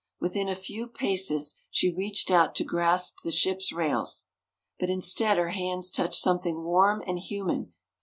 Within a few paces she reached out to grasp the ship's rails. But instead her hands touched something warm and human.